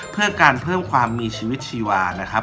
เพื่อการเพิ่มความมีชีวิตชีวานะครับ